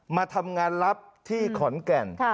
มาทำงานรับที่ขอนแก่น